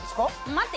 待って！